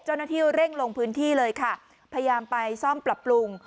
เจ้าหน้าที่เร่งลงพื้นที่เลยค่ะพยายามไปซ่อมปรับปรุง